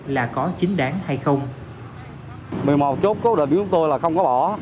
là có chính đáng hay không